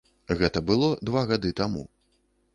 Гэта было два гады таму.